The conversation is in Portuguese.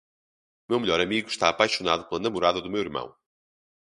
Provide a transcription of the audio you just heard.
Meu melhor amigo está apaixonado pela namorada do meu irmão.